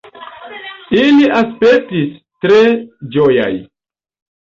Ili aspektis tre ĝojaj.